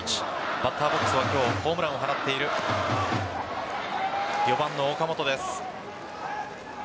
バッターボックスは今日、ホームランを放っている４番の岡本です。